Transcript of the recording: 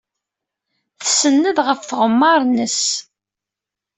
Tsenned ɣef tɣemmar-nnes.